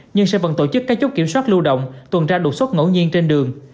nhưng sẽ vẫn tổ chức các chốt kiểm soát lưu động tuần tra đột xuất ngẫu nhiên trên đường